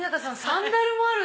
サンダルもある！